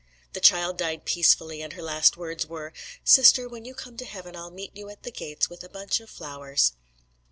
The child died peacefully, and her last words were: "Sister, when you come to heaven, I'll meet you at the gates with a bunch of flowers."